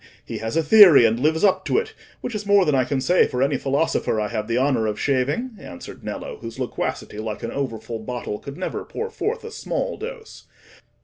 He has a theory, and lives up to it, which is more than I can say for any philosopher I have the honour of shaving," answered Nello, whose loquacity, like an over full bottle, could never pour forth a small dose.